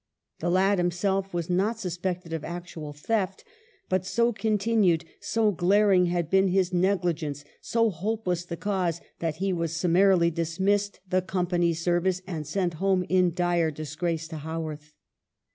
The lad himself was not suspected of actual theft ; but so continued, so glaring, had been his negli gence, so hopeless the cause, that he was sum marily dismissed the company's service, and sent home in dire disgrace to Haworth.